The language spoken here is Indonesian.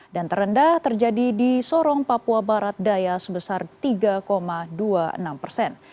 dan terendah terjadi di sorong papua barat daya sebesar tiga dua puluh enam persen